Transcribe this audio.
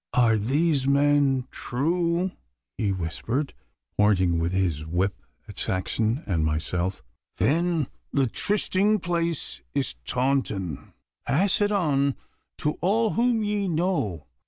'Are these men true?' he whispered, pointing with his whip at Saxon and myself. 'Then the trysting place is Taunton. Pass it on to all whom ye know.